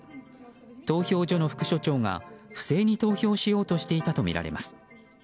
投票所の副所長が不正に投票しようとしていたとみられます。